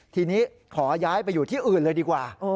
ทีนี้ขอย้ายไปอยู่ที่อื่นเลยดีกว่า